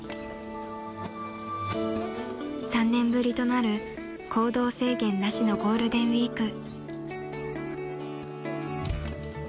［３年ぶりとなる行動制限なしのゴールデンウィーク］